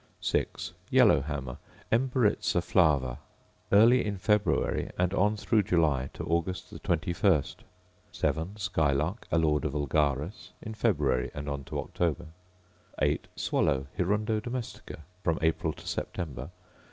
6. Yellow hammer, Emberiza flava: Early in February, and on through July to August the 21st. 7. Skylark, Alauda vulgaris: In February, and on to October. 8. Swallow, Hirundo domestica: From April to September.